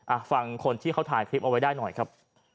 ฟังคนที่เขาถ่ายคลิปเอาไว้ได้หน่อยครับ